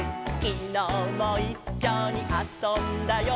「きのうもいっしょにあそんだよ」